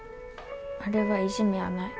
あれはいじめやない。